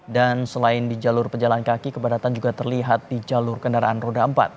dan selain di jalur pejalan kaki kepadatan juga terlihat di jalur kendaraan roda empat